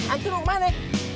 antum mau kemana